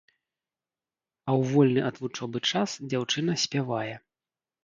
А ў вольны ад вучобы час дзяўчына спявае.